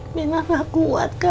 aku ingin berjumpa kamu